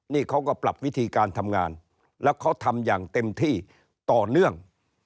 นี่เขาก็ปรับวิธีการทำงานแล้วเขาทำอย่างเต็มที่ต่อเนื่อง